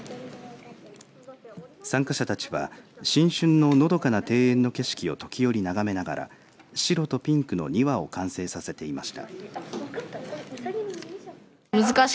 参加者たちは新春ののどかな庭園の景色を時折眺めながら白とピンクの２羽を完成させていました。